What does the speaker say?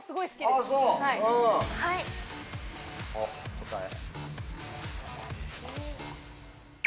答え？